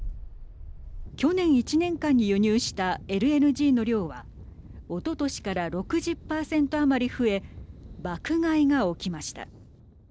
去年１年間に輸入したＬＮＧの量はおととしから６０％余り増え爆買いが起きました。